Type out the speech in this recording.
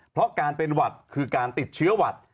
เพราะการเป็นหวัดคือการติดเชื้อหวัด